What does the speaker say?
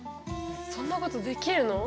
そんなことできるの？